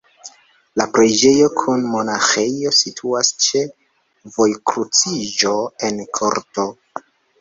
La preĝejo kun monaĥejo situas ĉe vojkruciĝo en korto.